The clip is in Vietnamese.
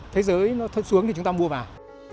thấy nó thất xuống thì chúng ta mua vào